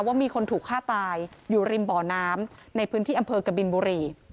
ว่ามีคนถูกฆ่าตายอยู่ริมบ่อน้ำในพื้นที่อำเภอกบินบุรี